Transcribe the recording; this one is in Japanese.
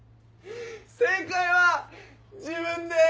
正解は自分です！